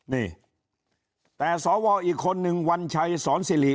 นี่แต่สวอีกคนนึงวันชัยสอนสิริ